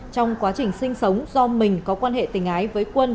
trong quá trình sinh sống do mình có quan hệ tình ái với quân